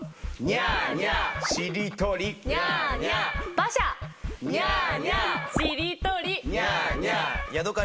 ニャーニャー。